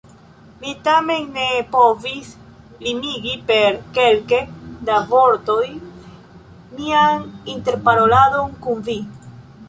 Mi tamen ne povis limigi per kelke da vortoj mian interparoladon kun vi.